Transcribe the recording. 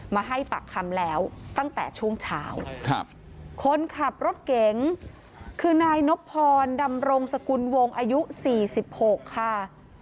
มาให้ปากคำแล้วตั้งแต่ช่วงเช้าคนขับรถเก๋งคือนายนบพรดำรงสกุลวงอายุ๔๖ค่ะ